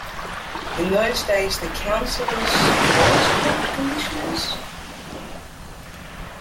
In those days the councillors was called commissioners.